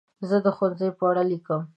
زه د ښوونځي په اړه لیکم.